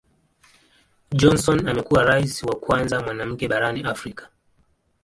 Johnson amekuwa Rais wa kwanza mwanamke barani Afrika.